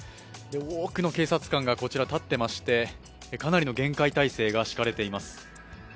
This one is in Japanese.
多くの警察官がこちら立っていましてかなりの厳戒態勢が敷かれています。